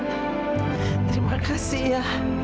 kamila terima kasih ya